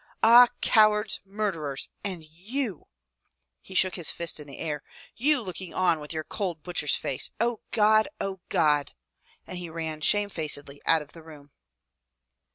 Ah! cowards, murderers ! And you !" He shook his fist in the air. " You look ing on with your cold butcher's face! O God! O God!" And he ran shamefacedly out of the room.